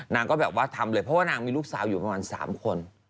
นางก็แบบว่าทำเลยเพราะว่านางมีลูกสาวอยู่ประมาณ๓คน